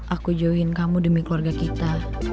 aku jauhin kamu demi keluarga kita